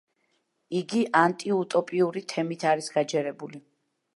იგი ანტიუტოპიური თემით არის გაჯერებული.